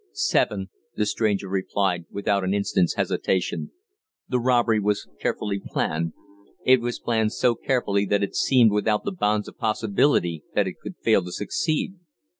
"Seven," the stranger replied, without an instant's hesitation. "The robbery was carefully planned; it was planned so carefully that it seemed without the bounds of possibility that it could fail to succeed.